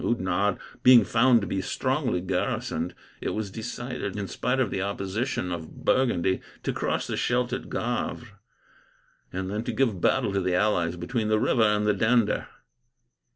Oudenarde being found to be strongly garrisoned, it was decided, in spite of the opposition of Burgundy, to cross the Scheldt at Gavre, and then to give battle to the allies between that river and the Dender.